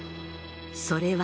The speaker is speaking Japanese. それは。